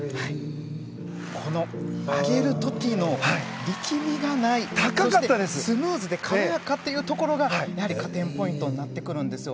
この上げる時の力みがないそして、スムーズで軽やかというところがやはり加点ポイントになってくるんです。